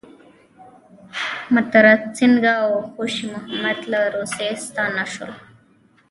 متراسینکه او خوشی محمد له روسیې راستانه شول.